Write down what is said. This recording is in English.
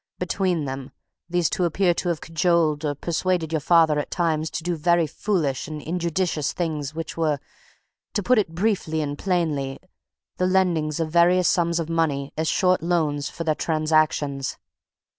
Between them, these two appear to have cajoled or persuaded your father at times to do very foolish and injudicious things which were, to put it briefly and plainly, the lendings of various sums of money as short loans for their transactions.